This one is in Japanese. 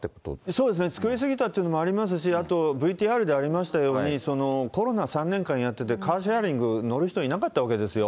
そうですね、作り過ぎたってこともありますし、あとＶＴＲでありましたように、コロナ３年間やってて、カーシェアリング、乗る人いなかったわけですよ。